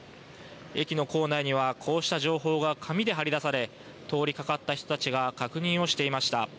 駅の構内には、こうした情報が紙で貼り出され、通りかかった人たちが確認をしていました。